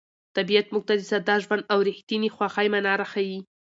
طبیعت موږ ته د ساده ژوند او رښتیني خوښۍ مانا راښيي.